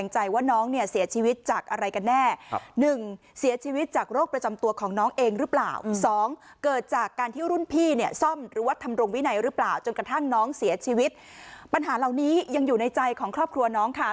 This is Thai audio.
จนกระทั่งน้องเสียชีวิตปัญหาเหล่านี้ยังอยู่ในใจของครอบครัวน้องค่ะ